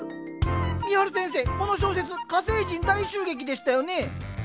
ミハル先生この小説「火星人大襲撃」でしたよね？